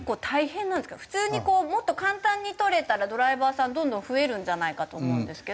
普通にもっと簡単に取れたらドライバーさんどんどん増えるんじゃないかと思うんですけど。